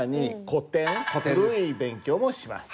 古い勉強もします。